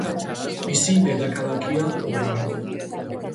მისი დედაქალაქია ორანი.